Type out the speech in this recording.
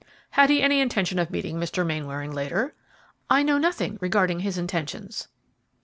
"Had he any intention of meeting Mr. Mainwaring later?" "I know nothing regarding his intentions."